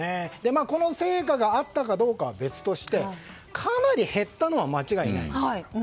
この成果があったかどうかは別としてかなり減ったのは間違いないんです。